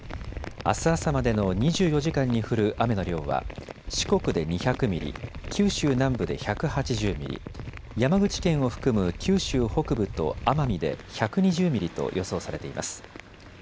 あす朝までの２４時間に降る雨の量は四国で２００ミリ、九州南部で１８０ミリ、山口県を含む九州北部と奄美で１２０ミリと予想されています。